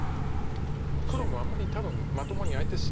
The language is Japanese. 黒もあんまり多分まともに相手しないと思います。